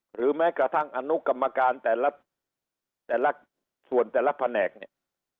หรือแม้กระทั่งอนุกรรมการส่วนแต่ละแผนกเนี่ย